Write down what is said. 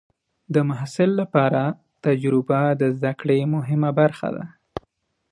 د محصل لپاره تجربه د زده کړې مهمه برخه ده.